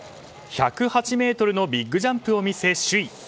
１０８ｍのビッグジャンプを見せ首位。